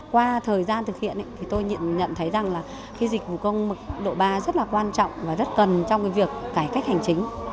qua thời gian thực hiện tôi nhận thấy rằng dịch vụ công mức độ ba rất quan trọng và rất cần trong việc cải cách hành chính